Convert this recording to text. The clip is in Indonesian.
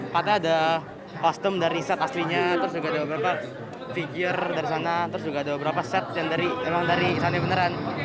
katanya ada kostum dari set aslinya terus juga ada beberapa figure dari sana terus juga ada beberapa set yang memang dari sana beneran